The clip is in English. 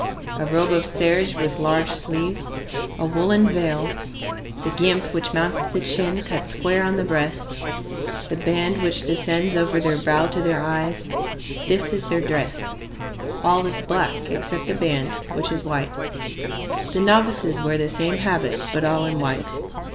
A robe of serge with large sleeves, a large woollen veil, the guimpe which mounts to the chin cut square on the breast, the band which descends over their brow to their eyes,—this is their dress. All is black except the band, which is white. The novices wear the same habit, but all in white.